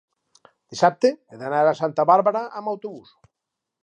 dissabte he d'anar a Santa Bàrbara amb autobús.